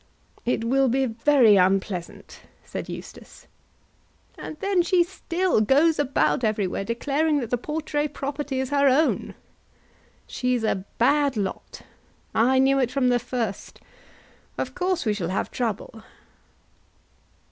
"It will be very unpleasant," said Eustace. "And then she still goes about everywhere declaring that the Portray property is her own. She's a bad lot. I knew it from the first. Of course we shall have trouble."